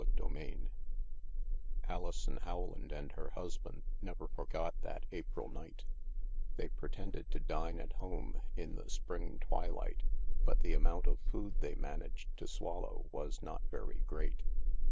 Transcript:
CHAPTER IV Alison Rowland and her husband never forgot that April night They pretended to dine at home, in the spring twilight, but the amount of food they managed to swallow was not very great.